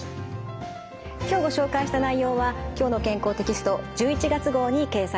今日ご紹介した内容は「きょうの健康」テキスト１１月号に掲載されています。